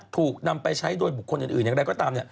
ถูกนำไปใช้โดยบุคคลอื่นอย่างไรก็ตาม